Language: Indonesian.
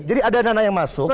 jadi ada dana yang masuk